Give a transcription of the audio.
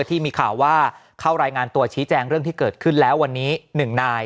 ที่มีข่าวว่าเข้ารายงานตัวชี้แจงเรื่องที่เกิดขึ้นแล้ววันนี้๑นาย